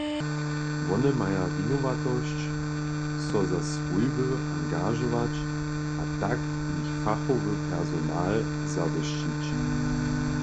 Wone maja winowatosć, so za swójby angažować a tak jich fachowy personal zawěsćić.